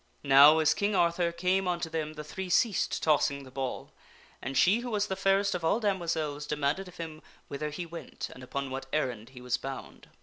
Now as King Arthur came unto them the three ceased tossing the ball, and she who was the fairest of all damoiselles demanded of him whither he went and upon what errand he was bound.